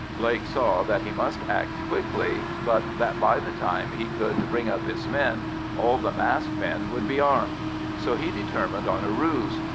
Blake saw that he must act quickly, but that by the time he could bring up his men all the masked men would be armed, so he determined on a ruse.